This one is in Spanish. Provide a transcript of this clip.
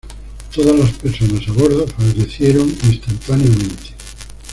Todas las personas a bordo fallecieron instantáneamente.